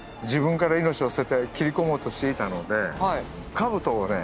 兜をね